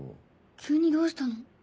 急にどうしたの？